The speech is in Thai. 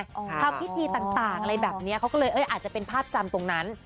ทำพิธีต่างอะไรแบบนี้เขาก็เลยอาจจะเป็นภาพจำตรงนั้น